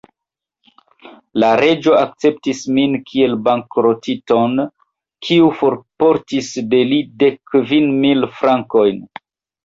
La Reĝo akceptis min kiel bankrotinton, kiu forportis de li dek kvin mil frankojn.